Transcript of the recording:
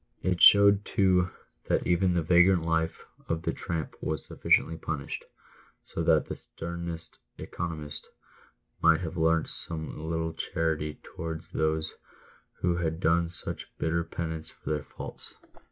It showed, todf that even the vagrant life of the tramp was sufficiently punished, so that the sternest " economist" might have learnt some little charity towards those who had done such bitter penance for their faults.